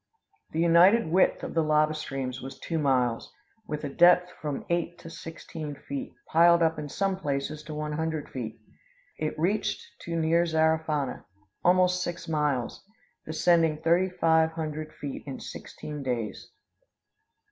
"The united width of the lava streams was two miles, with a depth of from eight to sixteen feet, piled up in some places to one hundred feet. It reached to near Zarafana, almost six miles, descending thirty five hundred feet in sixteen days.